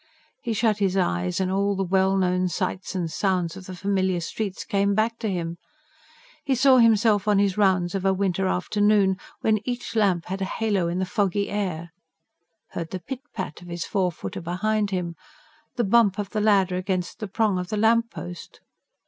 He shut his eyes, and all the well known sights and sounds of the familiar streets came back to him. He saw himself on his rounds of a winter's afternoon, when each lamp had a halo in the foggy air; heard the pit pat of his four footer behind him, the bump of the ladder against the prong of the lamp post.